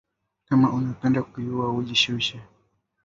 Kama unapenda kuyuwa uji shushe